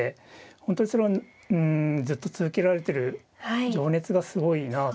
本当にそれをずっと続けられてる情熱がすごいなと思いますね。